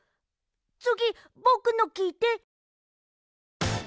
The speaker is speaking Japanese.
つぎぼくのきいて。